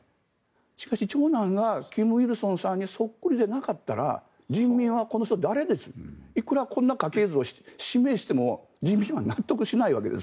しかし、長男が金日成さんにそっくりでなかったら人民はこの人誰？っていくらこんな家系図を示しても人民は納得しないわけです。